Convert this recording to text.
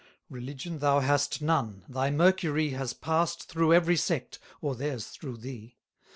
Religion thou hast none: thy mercury Has pass'd through every sect, or theirs through thee.